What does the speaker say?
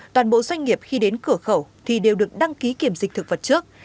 toàn bộ doanh nghiệp khi đến cửa khẩu thì đều được đăng ký kiểm dịch thực vật trước